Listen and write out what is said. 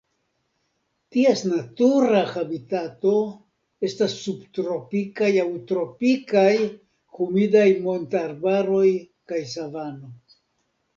Ties natura habitato estas subtropikaj aŭ tropikaj humidaj montararbaroj kaj savano.